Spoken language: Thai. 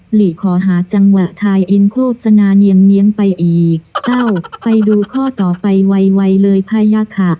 หลีขอหาจังหวะทายอินโฆษณาเนียนไปอีกเต้าไปดูข้อต่อไปไวเลยพายาขะ